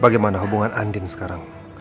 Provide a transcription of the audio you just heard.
bagaimana hubungan andin sekarang